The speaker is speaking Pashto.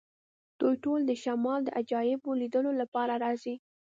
دوی ټول د شمال د عجایبو لیدلو لپاره راځي